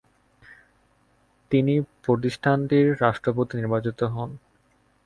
তিনি প্রতিষ্ঠানটির রাষ্ট্রপতি নির্বাচিত হন।